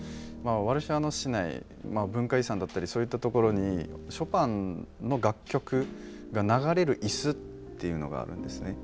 ワルシャワの市内文化遺産だったりそういったところにショパンの楽曲が流れるいすというのがあるんです。